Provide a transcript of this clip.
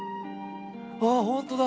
あっ本当だ！